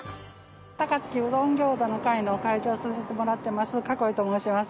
高槻うどんギョーザの会の会長をさしてもらってます栫と申します。